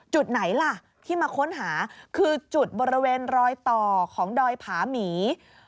จุดไหนล่ะที่มาค้นหาคือจุดบริเวณรอยต่อของดอยผาหมี